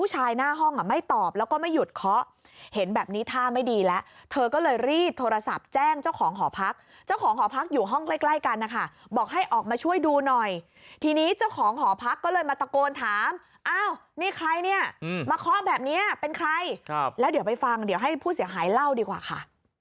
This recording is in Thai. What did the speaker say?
ไม่ตอบแล้วก็ไม่หยุดเคาะเห็นแบบนี้ท่าไม่ดีแล้วเธอก็เลยรีบโทรศัพท์แจ้งเจ้าของหอพักเจ้าของหอพักอยู่ห้องใกล้ใกล้กันนะคะบอกให้ออกมาช่วยดูหน่อยทีนี้เจ้าของหอพักก็เลยมาตะโกนถามอ้าวนี่ใครเนี่ยมาเคาะแบบนี้เป็นใครแล้วเดี๋ยวไปฟังเดี๋ยวให้ผู้เสียหายเล่าดีกว่าค่ะ